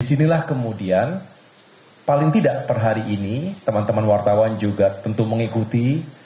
disinilah kemudian paling tidak per hari ini teman teman wartawan juga tentu mengikuti